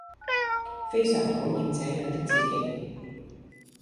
非常討厭這樣的自己